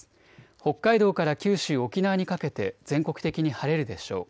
北海道から九州、沖縄にかけて全国的に晴れるでしょう。